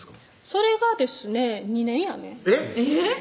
それがですね２年やねえっ？